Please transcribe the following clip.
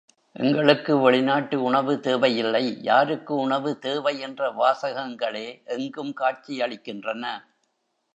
எங்களுக்கு வெளிநாட்டு உணவு தேவையில்லை, யாருக்கு உணவு தேவை என்ற வாசகங்களே எங்கும் காட்சியளிக்கின்றன.